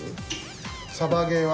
サバゲーは？